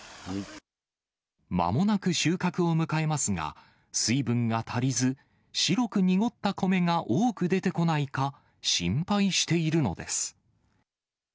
まもなく収穫を迎えますが、水分が足りず、白く濁った米が多く出てこないか心配しているのです。